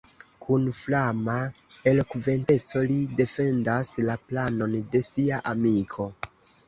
Kun flama elokventeco li defendas la planon de sia amiko.